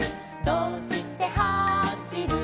「どうしてはしる」